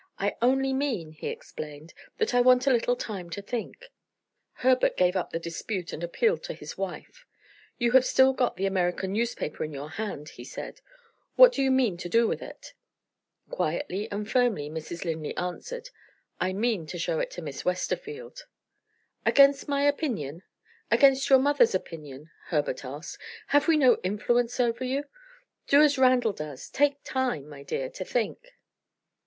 "I only mean," he explained, "that I want a little time to think." Herbert gave up the dispute and appealed to his wife. "You have still got the American newspaper in your hand," he said. "What do you mean to do with it?" Quietly and firmly Mrs. Linley answered: "I mean to show it to Miss Westerfield." "Against my opinion? Against your mother's opinion?" Herbert asked. "Have we no influence over you? Do as Randal does take time, my dear, to think."